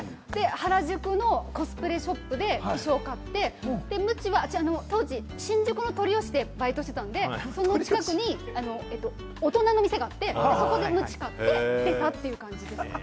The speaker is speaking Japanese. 原宿のコスプレショップで衣装を買って、当時、新宿の鳥良でバイトしていたので、その近くに大人の店があって、そこでムチ買って、出たという感じです。